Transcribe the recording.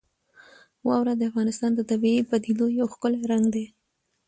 واوره د افغانستان د طبیعي پدیدو یو ښکلی رنګ دی.